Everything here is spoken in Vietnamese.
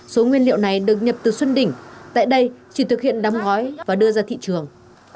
số nguyên liệu này được nhập từ xuân đỉnh tại đây chỉ thực hiện đóng gói và đưa ra thị trường